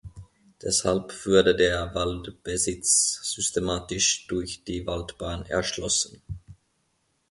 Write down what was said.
Deshalb wurde der Waldbesitz systematisch durch die Waldbahn erschlossen.